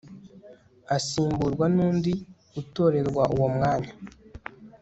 asimburwa n undi utorerwa uwo mwanya